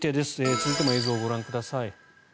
続いても映像をご覧ください。